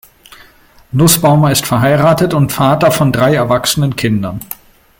Nussbaumer ist verheiratet und Vater von drei erwachsenen Kindern.